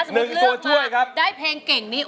สมมุติเลือกมาได้เพลงเก่งนี้